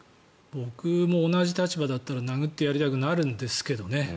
僕も同じ立場だったら殴ってやりたくなるんですけど。